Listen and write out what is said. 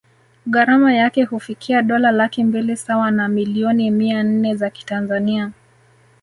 Gharama yake hufikia dola laki mbili sawa na millioni mia nne za kitanzania